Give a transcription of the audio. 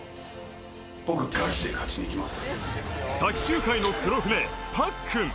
卓球界の黒船・パックン。